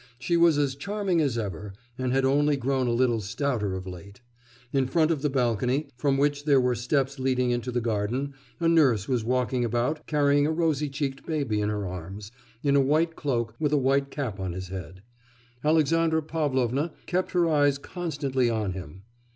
She was as charming as ever, and had only grown a little stouter of late. In front of the balcony, from which there were steps leading into the garden, a nurse was walking about carrying a rosy cheeked baby in her arms, in a white cloak, with a white cap on his head. Alexandra Pavlovna kept her eyes constantly on him.